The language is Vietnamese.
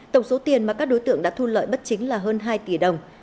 tổng số tiền mà các đối tượng đã thu lợi bất chính là hơn hai tỷ đồng